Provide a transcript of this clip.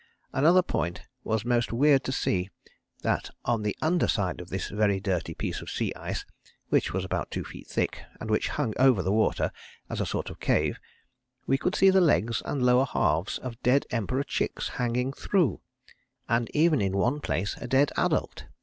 Another point was most weird to see, that on the under side of this very dirty piece of sea ice, which was about two feet thick and which hung over the water as a sort of cave, we could see the legs and lower halves of dead Emperor chicks hanging through, and even in one place a dead adult.